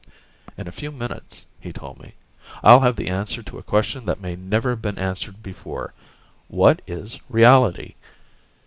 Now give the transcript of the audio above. "In a few minutes," he told me, "I'll have the answer to a question that may never have been answered before: what is reality?